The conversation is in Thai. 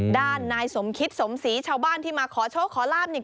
ด้านนายสมคิดสมศรีชาวบ้านที่มาขอโชคขอลาบเนี่ย